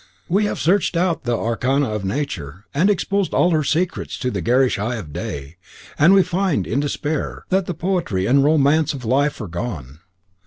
We have searched out the arcana of nature, and exposed all her secrets to the garish eye of day, and we find, in despair, that the poetry and romance of life are gone.